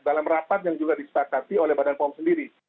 dalam rapat yang juga disepakati oleh badan pom sendiri